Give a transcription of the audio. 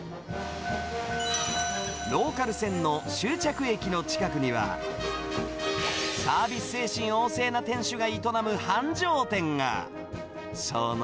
ローカル線の終着駅の近くには、サービス精神旺盛な店主が営む繁盛店が。